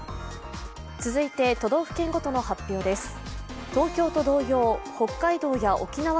続いて、都道府県ごとの発表です。